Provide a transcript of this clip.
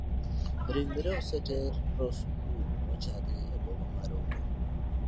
Ringre oseter rosewood mochari eboma ma rongo.